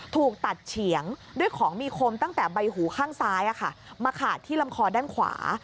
ถูกตัดเฉียงด้วยของมีคมตั้งแต่ใบหูข้างซ้ายมาขาดที่ลำคอด้านขวา